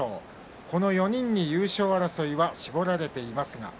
この４人に優勝争いは絞られています。